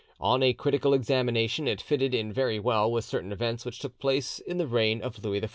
On a critical examination it fitted in very well with certain events which took place in the reign of Louis XIV.